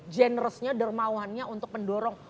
generousnya dermawannya untuk mendorong